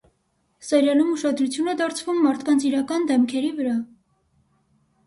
Սերիալում ուշադրություն է դարձվում մարդկանց իրական դեմքերի վրա։